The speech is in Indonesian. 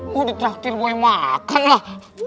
mau ke traktir boy makanlah